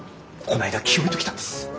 この間清恵と来たんです。